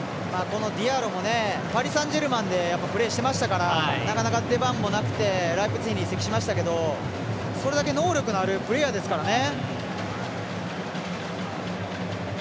ディアロもパリサンジェルマンでプレーしてましたからなかなか出番もなくてライプツィヒに移籍しましたけど、それだけ能力のあるプレーヤーですからね。